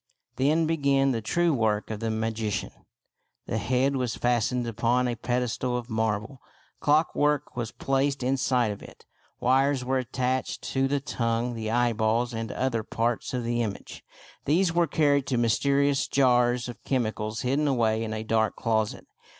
Then began the true work of the magician. The head was fastened upon a pedestal of marble. Clock work was placed inside of it. Wires were attached FRIAR BACON AND THE BRAZEN HEAD 73 to the tongue, the eyeballs, and other parts of the image. These were carried to mysterious jars of chemicals hidden away in a dark closet.